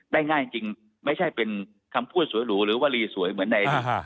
ง่ายจริงไม่ใช่เป็นคำพูดสวยหรูหรือวลีสวยเหมือนใด